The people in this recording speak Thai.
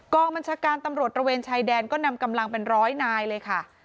บัญชาการตำรวจระเวนชายแดนก็นำกำลังเป็นร้อยนายเลยค่ะ